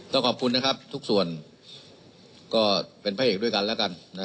ก็ขอบคุณนะครับทุกส่วนก็เป็นพระเอกด้วยกันแล้วกัน